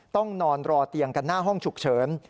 ต้องนอนรอเตียงกันหน้าห้องฉุกเฉิน